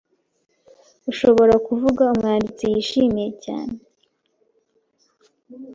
Ushobora kuvuga umwanditsi yishimye cyane